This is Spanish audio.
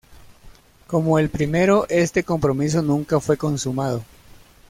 Como el primero, este compromiso nunca fue consumado.